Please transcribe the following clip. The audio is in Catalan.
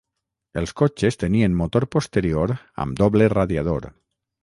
Els cotxes tenien motor posterior amb doble radiador.